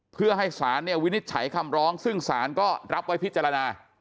เพื่อให้ศาลวินิจฉัยคำร้องซึ่งศาลก็รับไว้พิจารณา